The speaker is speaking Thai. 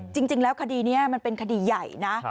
จริงแล้วคดีนี้มันเป็นคดีใหญ่นะ